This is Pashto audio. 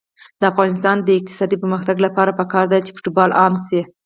د افغانستان د اقتصادي پرمختګ لپاره پکار ده چې فوټبال عام شي.